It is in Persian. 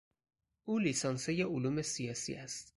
او لیسانسیهی علوم سیاسی است.